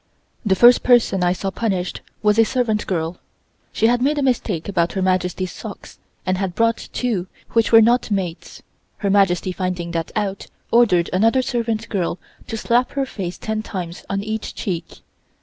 The first person I saw punished was a servant girl, she had made a mistake about Her Majesty's socks and had brought two which were not mates, Her Majesty finding that out, ordered another servant girl to slap her face ten times on each cheek.